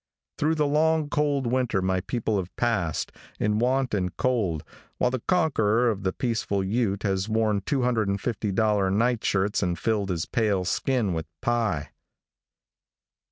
Through the long, cold winter my people have passed, in want and cold, while the conqueror of the peaceful Ute has worn $250 night shirts and filled his pale skin with pie.